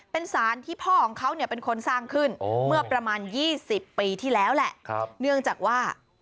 เป็นสารที่พ่อของเค้าเนี่ยเป็นคนสร้างขึ้นเมื่อประมาณ๒๐ปีที่แล้วแหละ